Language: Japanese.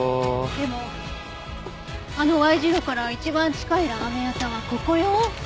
でもあのＹ字路から一番近いラーメン屋さんはここよ。